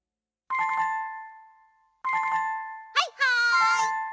はいはい！